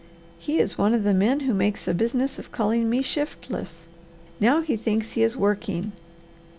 He is one of the men who makes a business of calling me shiftless. Now he thinks he is working.